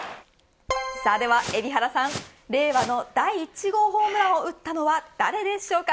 では、海老原さん令和の第１号ホームランを打ったのは誰でしょうか。